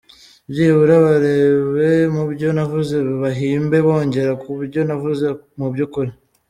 Byibura barebe mubyo navuze bahimbe bongera kubyo navuze mu by’ukuri.